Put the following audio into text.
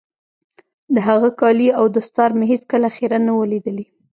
د هغه کالي او دستار مې هېڅ کله خيرن نه وو ليدلي.